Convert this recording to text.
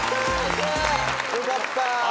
よかった！